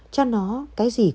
cha nó cái gì cũng không biết